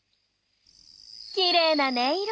きれいな音色。